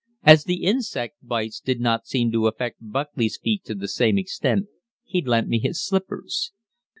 As the insect bites did not seem to affect Buckley's feet to the same extent, he lent me his slippers.